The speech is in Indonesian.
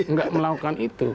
nggak melakukan itu